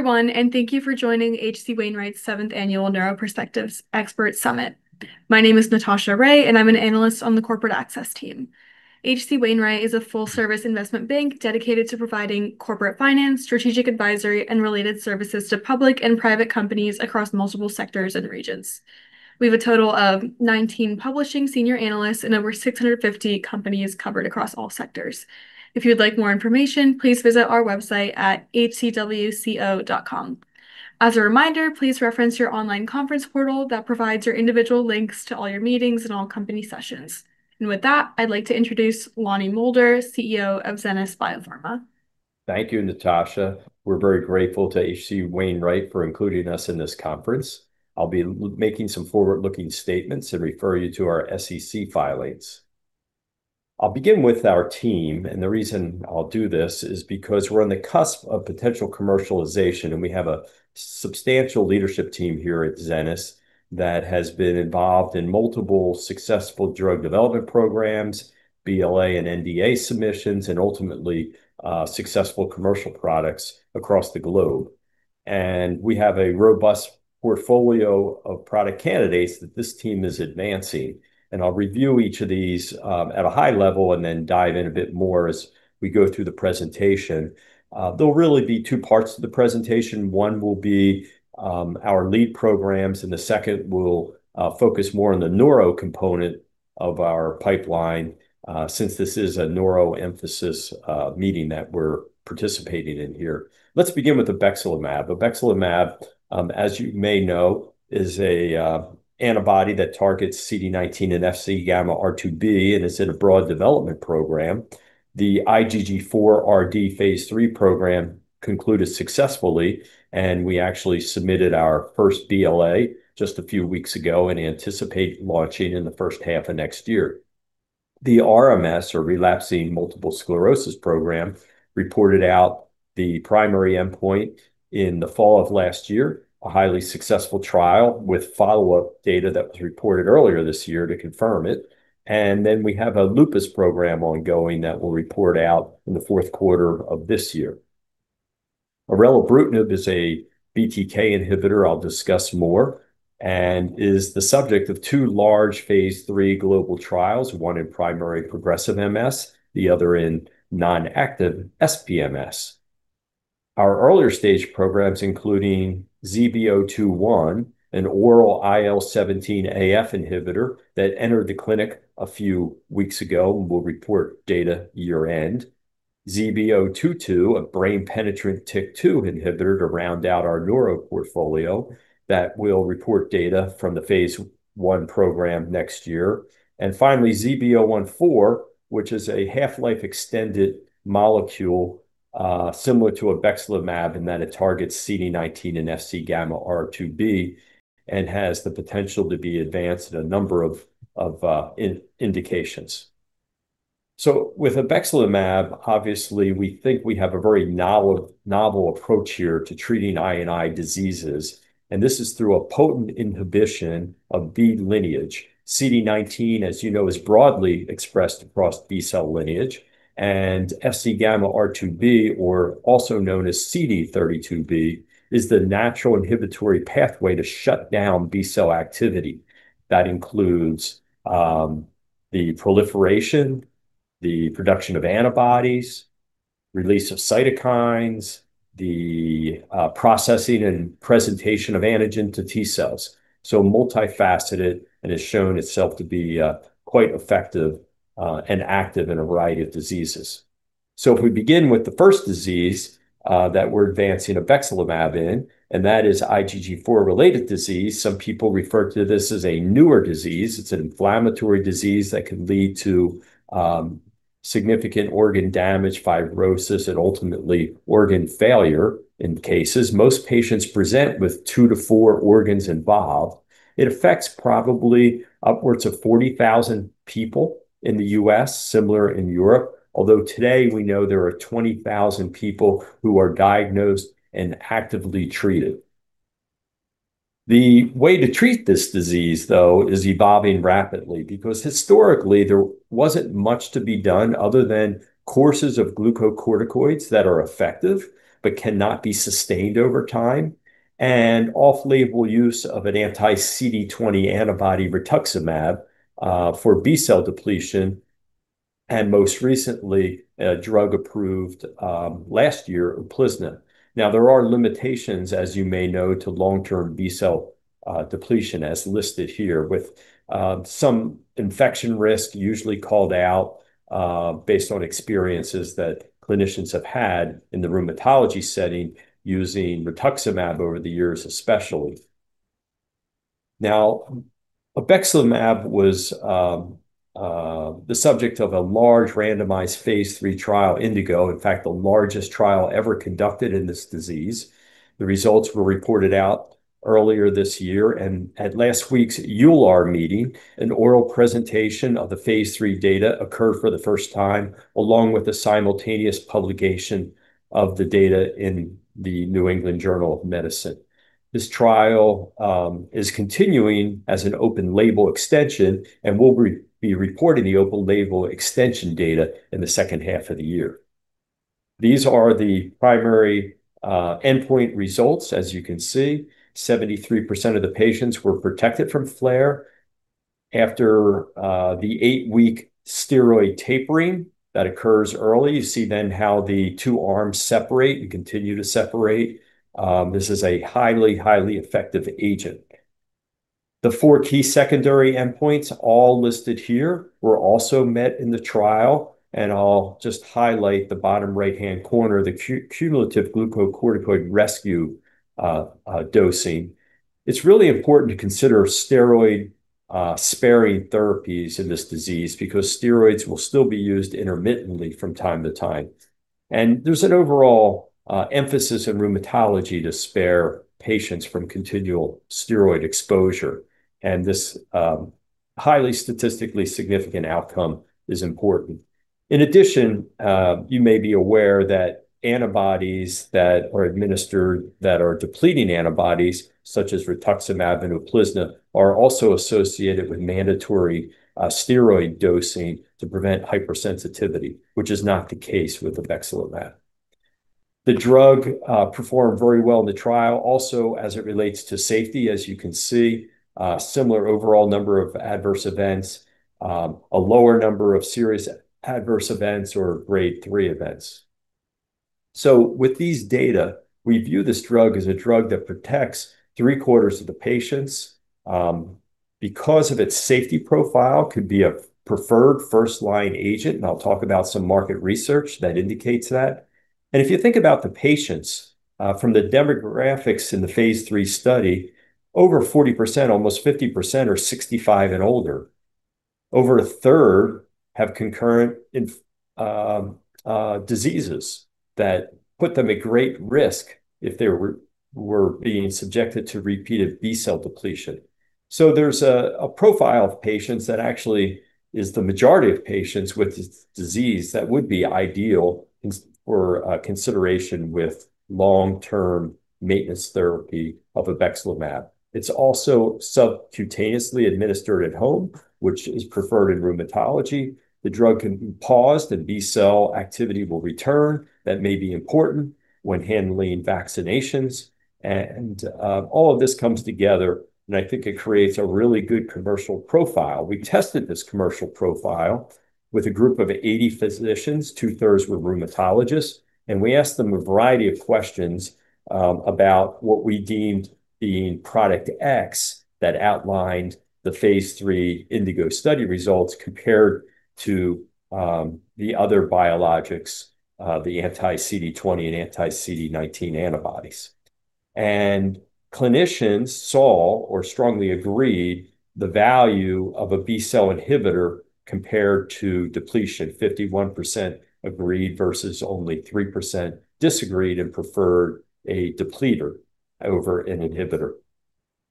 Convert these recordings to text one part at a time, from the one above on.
Hi, everyone. Thank you for joining H.C. Wainwright's seventh annual Neuro Perspectives Expert Summit. My name is Natasha Ray. I'm an analyst on the corporate access team. H.C. Wainwright is a full-service investment bank dedicated to providing corporate finance, strategic advisory, and related services to public and private companies across multiple sectors and regions. We have a total of 19 publishing senior analysts and over 650 companies covered across all sectors. If you would like more information, please visit our website at hcwco.com. As a reminder, please reference your online conference portal that provides your individual links to all your meetings and all company sessions. With that, I'd like to introduce Lonnie Moulder, CEO of Zenas BioPharma. Thank you, Natasha. We're very grateful to H.C. Wainwright for including us in this conference. I'll be making some forward-looking statements and refer you to our SEC filings. I'll begin with our team. The reason I'll do this is because we're on the cusp of potential commercialization, and we have a substantial leadership team here at Zenas that has been involved in multiple successful drug development programs, BLA and NDA submissions, and ultimately, successful commercial products across the globe. We have a robust portfolio of product candidates that this team is advancing. I'll review each of these at a high level and dive in a bit more as we go through the presentation. There'll really be two parts to the presentation. One will be our lead programs. The second will focus more on the neuro component of our pipeline, since this is a neuro emphasis meeting that we're participating in here. Let's begin with obexelimab. Obexelimab, as you may know, is a antibody that targets CD19 and FcγRIIb. It's in a broad development program. The IgG4-RD phase III program concluded successfully. We actually submitted our first BLA just a few weeks ago and anticipate launching in the first half of next year. The RMS, or Relapsing Multiple Sclerosis program, reported out the primary endpoint in the fall of last year, a highly successful trial with follow-up data that was reported earlier this year to confirm it. We have a lupus program ongoing that will report out in the fourth quarter of this year. Orelabrutinib is a BTK inhibitor I'll discuss more and is the subject of two large phase III global trials, one in primary progressive MS, the other in non-active SPMS. Our earlier-stage programs, including ZB021, an oral IL-17A/F inhibitor that entered the clinic a few weeks ago, will report data year-end. ZB022, a brain-penetrant TYK2 inhibitor to round out our neuro portfolio. That will report data from the phase I program next year. Finally, ZB014, which is a half-life extended molecule, similar to obexelimab in that it targets CD19 and FcγRIIb and has the potential to be advanced in a number of indications. With obexelimab, obviously, we think we have a very novel approach here to treating I and I diseases. This is through a potent inhibition of B lineage. CD19, as you know, is broadly expressed across B-cell lineage, FcγRIIb, or also known as CD32B, is the natural inhibitory pathway to shut down B-cell activity. That includes the proliferation, the production of antibodies, release of cytokines, the processing and presentation of antigen to T cells. Multifaceted and has shown itself to be quite effective and active in a variety of diseases. If we begin with the first disease that we are advancing obexelimab in, that is IgG4-Related Disease. Some people refer to this as a newer disease. It is an inflammatory disease that can lead to significant organ damage, fibrosis, and ultimately organ failure in cases. Most patients present with two to four organs involved. It affects probably upwards of 40,000 people in the U.S., similar in Europe, although today we know there are 20,000 people who are diagnosed and actively treated. The way to treat this disease, though, is evolving rapidly because historically, there wasn't much to be done other than courses of glucocorticoids that are effective but cannot be sustained over time, off-label use of an anti-CD20 antibody rituximab for B-cell depletion, most recently, a drug approved last year, UPLIZNA. There are limitations, as you may know, to long-term B-cell depletion, as listed here, with some infection risk usually called out based on experiences that clinicians have had in the rheumatology setting using rituximab over the years, especially. Obexelimab was the subject of a large randomized Phase III trial, INDIGO. In fact, the largest trial ever conducted in this disease. The results were reported out earlier this year, at last week's EULAR meeting, an oral presentation of the Phase III data occurred for the first time, along with the simultaneous publication of the data in "The New England Journal of Medicine." This trial is continuing as an open-label extension and will be reported in the open-label extension data in the second half of the year. These are the primary endpoint results. As you can see, 73% of the patients were protected from flare after the eight-week steroid tapering that occurs early. You see how the two arms separate and continue to separate. This is a highly effective agent. The four key secondary endpoints, all listed here, were also met in the trial. I will just highlight the bottom right-hand corner, the cumulative glucocorticoid rescue dosing. It is really important to consider steroid-sparing therapies in this disease because steroids will still be used intermittently from time to time. There is an overall emphasis in rheumatology to spare patients from continual steroid exposure, and this highly statistically significant outcome is important. In addition, you may be aware that antibodies that are administered that are depleting antibodies, such as rituximab and UPLIZNA, are also associated with mandatory steroid dosing to prevent hypersensitivity, which is not the case with obexelimab. The drug performed very well in the trial also as it relates to safety. As you can see, similar overall number of adverse events, a lower number of serious adverse events or grade 3 events. With these data, we view this drug as a drug that protects three-quarters of the patients. Because of its safety profile, could be a preferred first-line agent. I'll talk about some market research that indicates that. If you think about the patients from the demographics in the phase III study, over 40%, almost 50%, are 65 and older. Over a third have concurrent diseases that put them at great risk if they were being subjected to repeated B-cell depletion. There's a profile of patients that actually is the majority of patients with this disease that would be ideal for consideration with long-term maintenance therapy of obexelimab. It's also subcutaneously administered at home, which is preferred in rheumatology. The drug can be paused, and B-cell activity will return. That may be important when handling vaccinations. All of this comes together, and I think it creates a really good commercial profile. We tested this commercial profile with a group of 80 physicians, two-thirds were rheumatologists. We asked them a variety of questions about what we deemed being product X that outlined the phase III INDIGO study results compared to the other biologics, the anti-CD20 and anti-CD19 antibodies. Clinicians saw or strongly agreed the value of a B-cell inhibitor compared to depletion. 51% agreed versus only 3% disagreed and preferred a depleter over an inhibitor.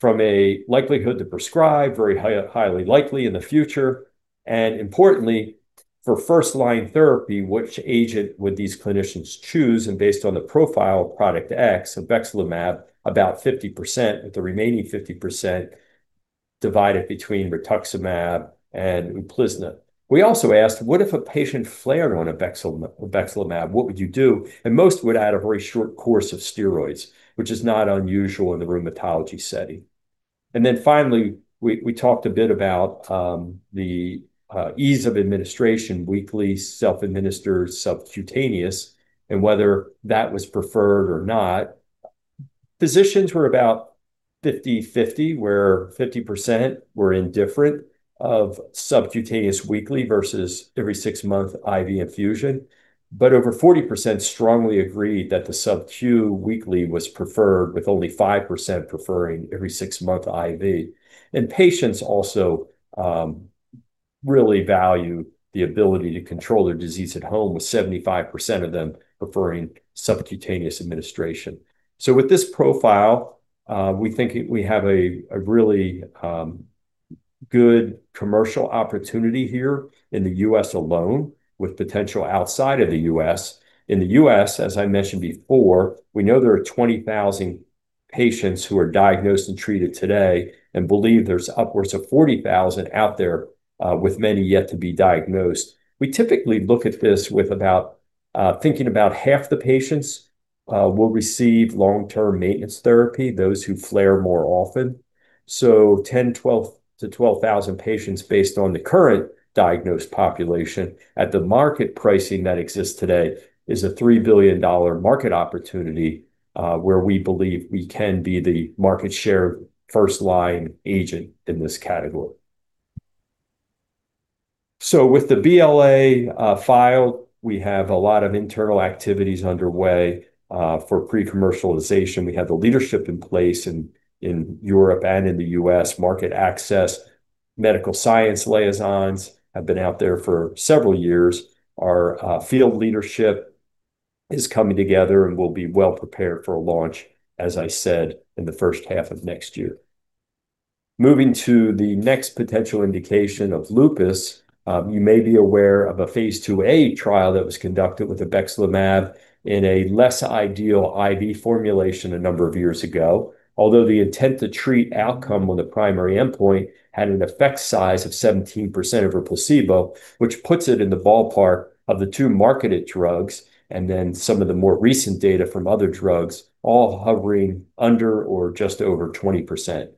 From a likelihood to prescribe, very highly likely in the future. Importantly, for first-line therapy, which agent would these clinicians choose? Based on the profile of product X, obexelimab, about 50%, with the remaining 50% divided between rituximab and UPLIZNA. We also asked, "What if a patient flared on obexelimab? What would you do?" Most would add a very short course of steroids, which is not unusual in the rheumatology setting. Finally, we talked a bit about the ease of administration, weekly self-administered subcutaneous, and whether that was preferred or not. Physicians were about 50/50, where 50% were indifferent of subcutaneous weekly versus every six-month IV infusion. Over 40% strongly agreed that the subq weekly was preferred, with only 5% preferring every six-month IV. Patients also really value the ability to control their disease at home, with 75% of them preferring subcutaneous administration. With this profile, we think we have a really good commercial opportunity here in the U.S. alone, with potential outside of the U.S. In the U.S., as I mentioned before, we know there are 20,000 patients who are diagnosed and treated today, and believe there's upwards of 40,000 out there, with many yet to be diagnosed. We typically look at this with about thinking about half the patients will receive long-term maintenance therapy, those who flare more often. 10,000 to 12,000 patients based on the current diagnosed population at the market pricing that exists today is a $3 billion market opportunity, where we believe we can be the market share first-line agent in this category. With the BLA file, we have a lot of internal activities underway for pre-commercialization. We have the leadership in place in Europe and in the U.S. Market access, medical science liaisons have been out there for several years. Our field leadership is coming together and will be well prepared for a launch, as I said, in the first half of next year. Moving to the next potential indication of lupus, you may be aware of a phase IIa trial that was conducted with obexelimab in a less ideal IV formulation a number of years ago. Although the intent-to-treat outcome on the primary endpoint had an effect size of 17% over placebo, which puts it in the ballpark of the two marketed drugs, some of the more recent data from other drugs all hovering under or just over 20%.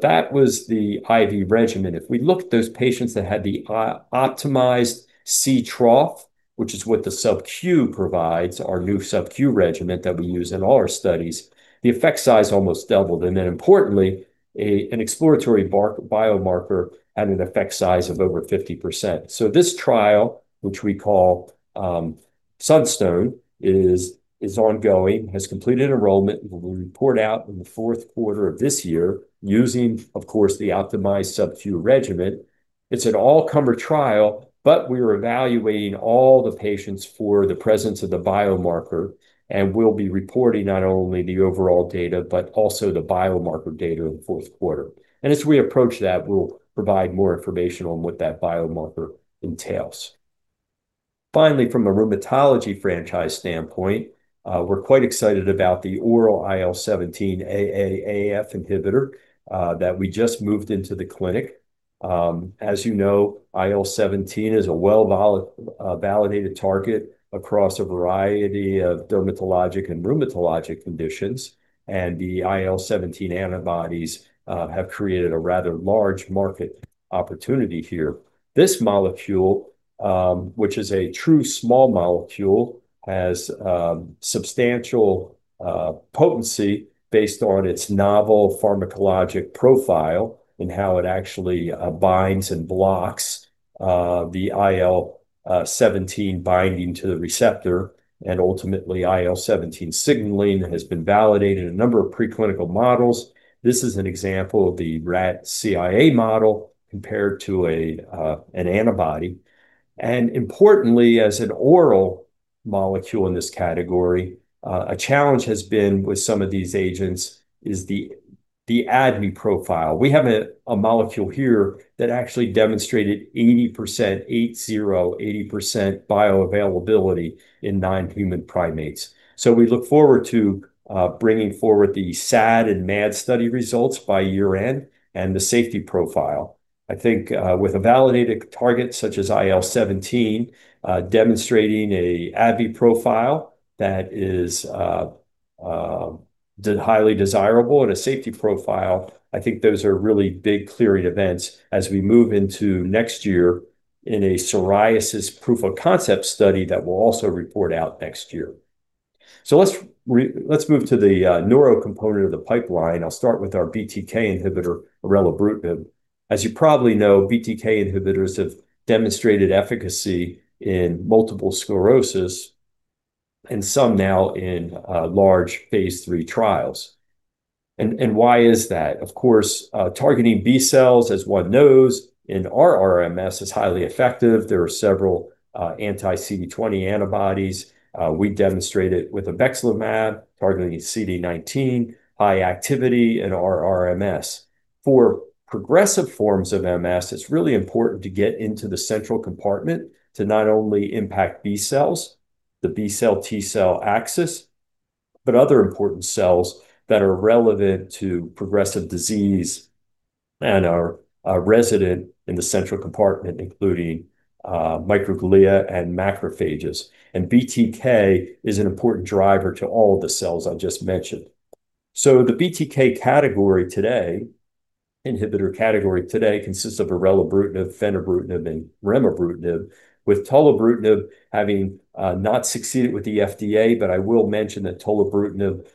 That was the IV regimen. If we look at those patients that had the optimized Ctrough, which is what the sub-Q provides, our new sub-Q regimen that we use in all our studies, the effect size almost doubled. Importantly, an exploratory biomarker had an effect size of over 50%. This trial, which we call SunStone, is ongoing, has completed enrollment, and will report out in the fourth quarter of this year using, of course, the optimized sub-Q regimen. It's an all-comer trial, but we're evaluating all the patients for the presence of the biomarker, and we'll be reporting not only the overall data, but also the biomarker data in the fourth quarter. As we approach that, we'll provide more information on what that biomarker entails. Finally, from a rheumatology franchise standpoint, we're quite excited about the oral IL-17AA/AF inhibitor that we just moved into the clinic. As you know, IL-17 is a well-validated target across a variety of dermatologic and rheumatologic conditions, and the IL-17 antibodies have created a rather large market opportunity here. This molecule, which is a true small molecule, has substantial potency based on its novel pharmacologic profile and how it actually binds and blocks the IL-17 binding to the receptor, and ultimately IL-17 signaling has been validated in a number of preclinical models. This is an example of the rat CIA model compared to an antibody. Importantly, as an oral molecule in this category, a challenge has been with some of these agents is the ADME profile. We have a molecule here that actually demonstrated 80% bioavailability in non-human primates. We look forward to bringing forward the SAD and MAD study results by year-end and the safety profile. I think with a validated target such as IL-17 demonstrating a ADME profile that is highly desirable and a safety profile. I think those are really big clearing events as we move into next year in a psoriasis proof-of-concept study that we'll also report out next year. Let's move to the neuro component of the pipeline. I'll start with our BTK inhibitor, orelabrutinib. As you probably know, BTK inhibitors have demonstrated efficacy in multiple sclerosis and some now in large phase III trials. Why is that? Of course, targeting B cells, as one knows, in RRMS is highly effective. There are several anti-CD20 antibodies. We demonstrate it with obexelimab targeting CD19, high activity in RRMS. For progressive forms of MS, it's really important to get into the central compartment to not only impact B cells, the B cell-T cell axis, but other important cells that are relevant to progressive disease and are resident in the central compartment, including microglia and macrophages. BTK is an important driver to all of the cells I just mentioned. The BTK category today, inhibitor category today consists of orelabrutinib, fenebrutinib, and remibrutinib, with tolebrutinib having not succeeded with the FDA, but I will mention that tolebrutinib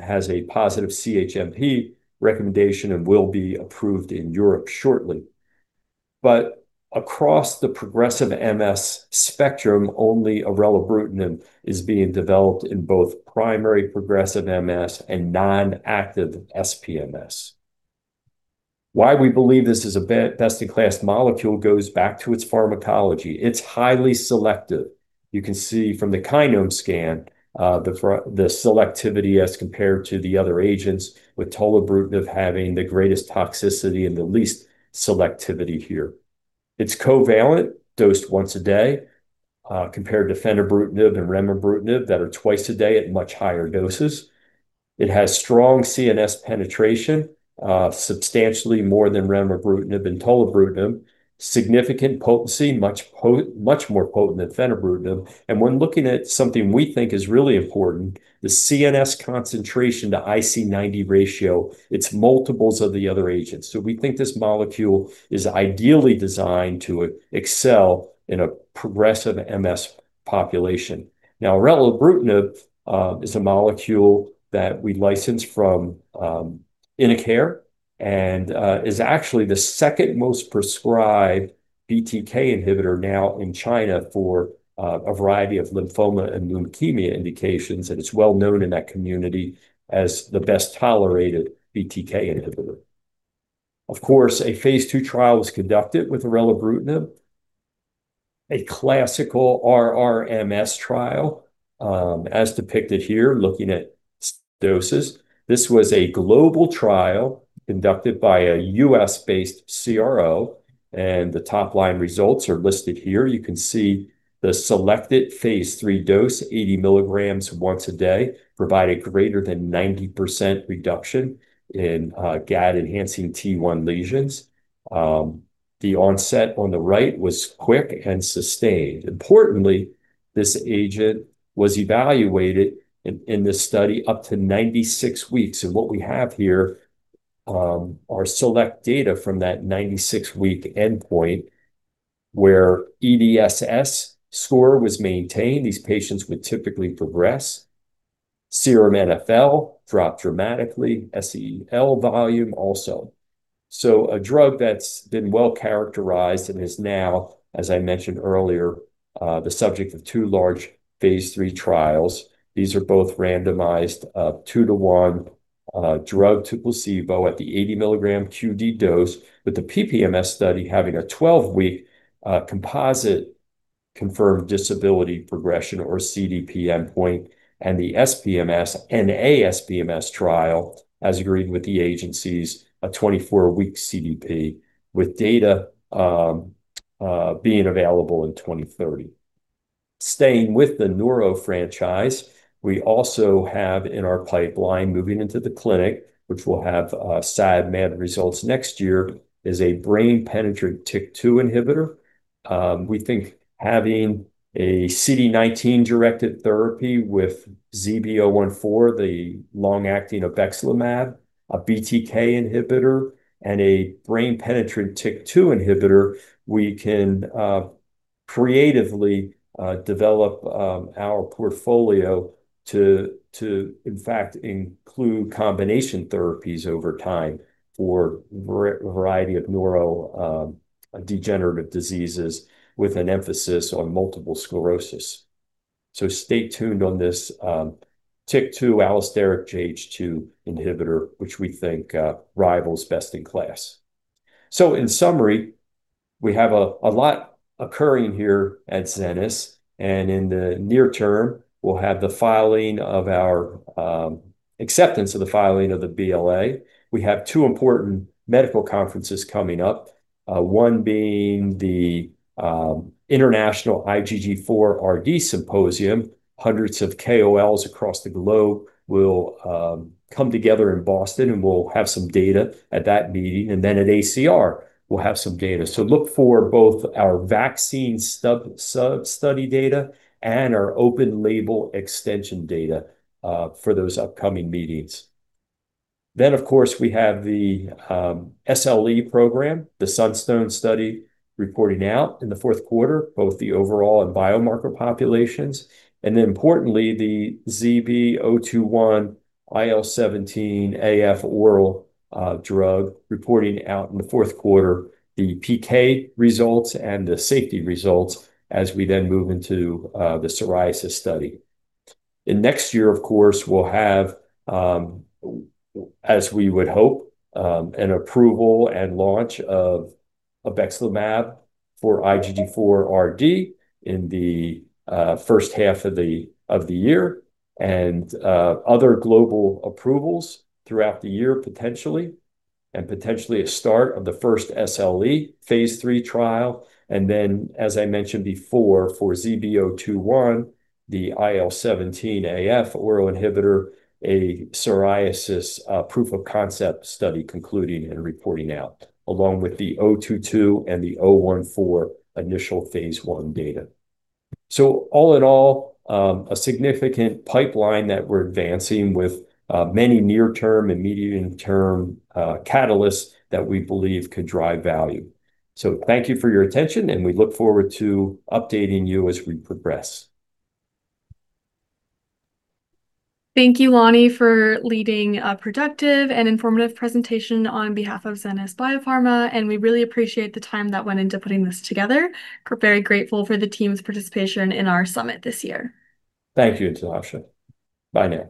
has a positive CHMP recommendation and will be approved in Europe shortly. Across the progressive MS spectrum, only orelabrutinib is being developed in both primary progressive MS and non-active SPMS. Why we believe this is a best-in-class molecule goes back to its pharmacology. It's highly selective. You can see from the kinome scan the selectivity as compared to the other agents, with tolebrutinib having the greatest toxicity and the least selectivity here. It's covalent, dosed once a day, compared to fenebrutinib and remibrutinib that are twice a day at much higher doses. It has strong CNS penetration, substantially more than remibrutinib and tolebrutinib, significant potency, much more potent than fenebrutinib. When looking at something we think is really important, the CNS concentration to IC90 ratio, it's multiples of the other agents. We think this molecule is ideally designed to excel in a progressive MS population. Orelabrutinib is a molecule that we licensed from InnoCare and is actually the second-most prescribed BTK inhibitor now in China for a variety of lymphoma and leukemia indications, and it's well-known in that community as the best-tolerated BTK inhibitor. Of course, a phase II trial was conducted with orelabrutinib. A classical RRMS trial, as depicted here, looking at doses. This was a global trial conducted by a U.S.-based CRO, and the top-line results are listed here. You can see the selected phase III dose, 80 milligrams once a day, provided greater than 90% reduction in Gd-enhancing T1 lesions. The onset on the right was quick and sustained. Importantly, this agent was evaluated in this study up to 96 weeks. What we have here are select data from that 96-week endpoint where EDSS score was maintained. These patients would typically progress. Serum NfL dropped dramatically. SEL volume also. A drug that's been well-characterized and is now, as I mentioned earlier, the subject of two large phase III trials. These are both randomized, two to one, drug to placebo at the 80 milligram QD dose, with the PPMS study having a 12-week composite confirmed disability progression, or CDP endpoint, and the SPMS, na-SPMS trial, as agreed with the agencies, a 24-week CDP, with data being available in 2030. Staying with the neuro franchise, we also have in our pipeline, moving into the clinic, which will have SAD/MAD results next year, is a brain-penetrant TYK2 inhibitor. We think having a CD19-directed therapy with ZB014, the long-acting obexelimab, a BTK inhibitor, and a brain-penetrant TYK2 inhibitor, we can creatively develop our portfolio to, in fact, include combination therapies over time for a variety of neurodegenerative diseases, with an emphasis on multiple sclerosis. Stay tuned on this TYK2 allosteric inhibitor, which we think rivals best-in-class. In summary, we have a lot occurring here at Zenas BioPharma, and in the near term, we'll have the filing of our acceptance of the filing of the BLA. We have two important medical conferences coming up, one being the International IgG4-RD Symposium. Hundreds of KOLs across the globe will come together in Boston, and we'll have some data at that meeting. At ACR, we'll have some data. Look for both our vaccine sub-study data and our open-label extension data for those upcoming meetings. Of course, we have the SLE program, the SunStone study, reporting out in the fourth quarter, both the overall and biomarker populations. Importantly, the ZB021 IL-17A/F oral drug reporting out in the fourth quarter, the PK results and the safety results, as we then move into the psoriasis study. Next year, of course, we'll have, as we would hope, an approval and launch of obexelimab for IgG4-RD in the first half of the year, and other global approvals throughout the year, potentially, and potentially a start of the first SLE phase III trial. As I mentioned before, for ZB021, the IL-17A/F oral inhibitor, a psoriasis proof-of-concept study concluding and reporting out, along with the 022 and the 014 initial phase I data. All in all, a significant pipeline that we're advancing with many near-term and medium-term catalysts that we believe could drive value. Thank you for your attention, and we look forward to updating you as we progress. Thank you, Lonnie, for leading a productive and informative presentation on behalf of Zenas BioPharma. We really appreciate the time that went into putting this together. We're very grateful for the team's participation in our summit this year. Thank you, Natasha. Bye now.